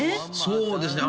そうですね